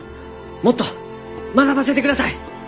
もっと学ばせてください！